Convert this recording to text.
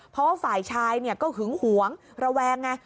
เพราะว่าฝ่ายชายก็หึงหวงระแวงไง